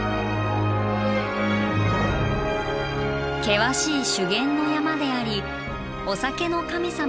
険しい修験の山でありお酒の神様を祀る